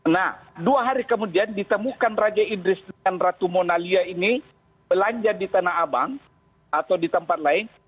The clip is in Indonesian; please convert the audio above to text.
nah dua hari kemudian ditemukan raja idris dan ratu monalia ini belanja di tanah abang atau di tempat lain